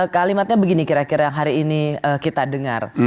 kalimatnya begini kira kira yang hari ini kita dengar